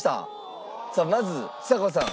さあまずちさ子さん。